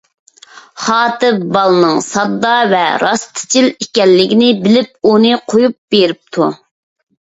خاتىپ بالىنىڭ ساددا ۋە راستچىل ئىكەنلىكىنى بىلىپ ئۇنى قويۇپ بېرىپتۇ.